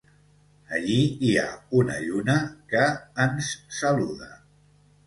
Allí hi ha una lluna que ens saluda